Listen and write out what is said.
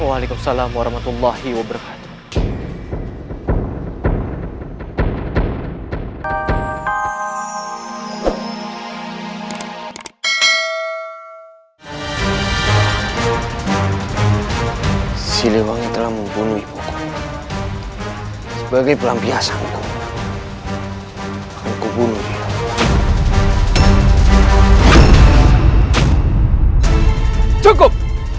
waalaikumsalam warahmatullahi wabarakatuh